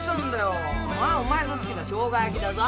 お前の好きなしょうが焼きだぞ。